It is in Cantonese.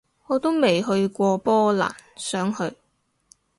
我都未去過波蘭，想去